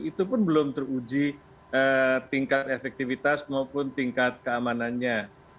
itu pun belum teruji tingkat efektivitas maupun tingkat keamanannya